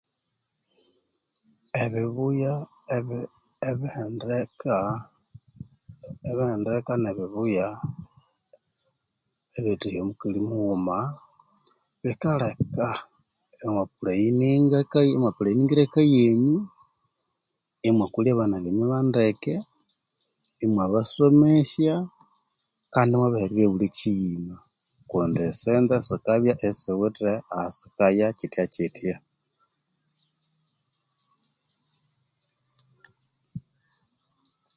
Ebibuyaa ebii Ebihendeka ne'bibuya ebyerithahya omukali muvhuma bikaleka emwa pulaningira eke yenyu, emwakulya abana benyu bandeke imwabasomesya kandi imwabahererya obuli kiyima kundi esyosente sikabya isisiwithe ahasikaya kitya kitya